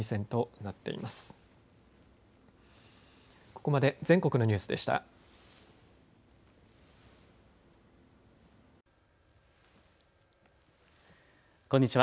こんにちは。